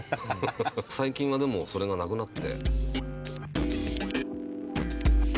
最近はでもそれがなくなって。